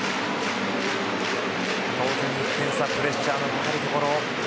当然、１点差でプレッシャーのかかるところ。